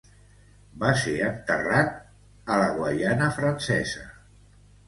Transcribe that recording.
Va ser enterrat a Guaiana Francesa.